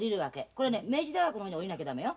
これね明治大学の方に降りなきゃダメよ。